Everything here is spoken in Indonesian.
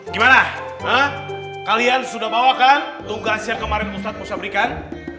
gimana kalian sudah bawakan tungguan siang kemarin ustadz musabri kan